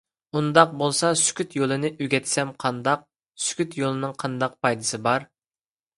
− ئۇنداق بولسا «سۈكۈت» يولىنى ئۆگەتسەم قانداق؟ − «سۈكۈت» يولىنىڭ قانداق پايدىسى بار؟